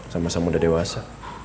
sama sama udah dewasa